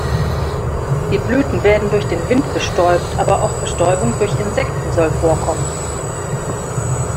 Die Blüten werden durch den Wind bestäubt, aber auch Bestäubung durch Insekten soll vorkommen.